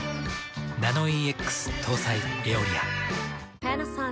ナノイーＸ搭載「エオリア」。